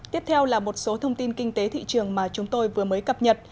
tiếp theo là một số thông tin kinh tế thị trường mà chúng tôi vừa mới cập nhật